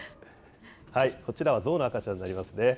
こちらはゾウの赤ちゃんになりますね。